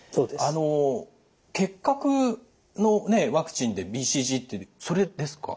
あの結核のねワクチンでＢＣＧってそれですか？